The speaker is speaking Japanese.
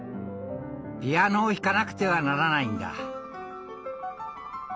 ピアノを弾かなくてはならないんだ。